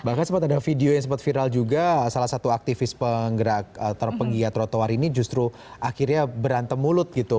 bahkan sempat ada video yang sempat viral juga salah satu aktivis penggerak terpegiat trotoar ini justru akhirnya berantem mulut gitu